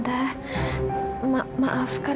jadi camila tak bisa datang ke kamar